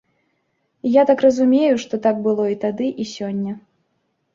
І я так разумею, што так было і тады, і сёння.